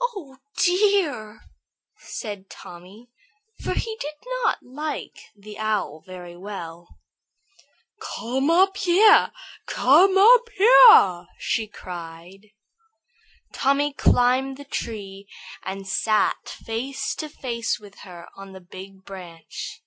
"Oh, dear!" said Tommy, for he did not like the Owl very well. "Come up here! Come up here!" she cried. Tommy climbed the tree and sat face to face with her on the big branch.